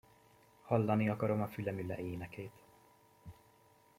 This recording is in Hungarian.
Hallani akarom a fülemüle énekét!